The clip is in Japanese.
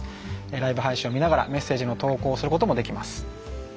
ライブ配信を見ながらメッセージを投稿することもできます。